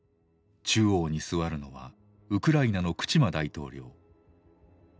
中央に座るのはウクライナのクチマ大統領。